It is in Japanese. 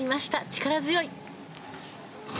力強い！